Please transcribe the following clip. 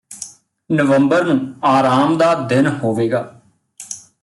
ਨਵੰਬਰ ਨੂੰ ਆਰਾਮ ਦਾ ਦਿਨ ਹੋਵੇਗਾ